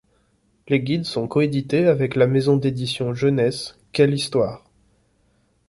Les guides sont co-édités avec la maison d'édition jeunesse Quelle Histoire.